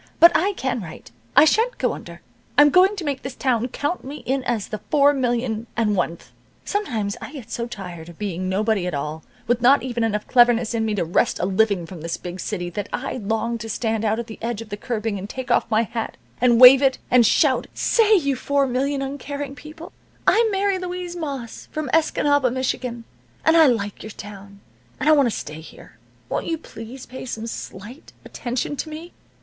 But I can write. I sha'n't go under. I'm going to make this town count me in as the four million and oneth. Sometimes I get so tired of being nobody at all, with not even enough cleverness in me to wrest a living from this big city, that I long to stand out at the edge of the curbing, and take off my hat, and wave it, and shout, 'Say, you four million uncaring people, I'm Mary Louise Moss, from Escanaba, Michigan, and I like your town, and I want to stay here. Won't you please pay some slight attention to me.